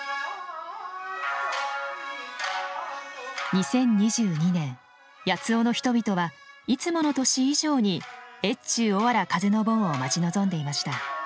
２０２２年八尾の人々はいつもの年以上に越中おわら風の盆を待ち望んでいました。